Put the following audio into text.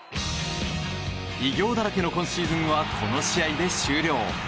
偉業だらけの今シーズンはこの試合で終了。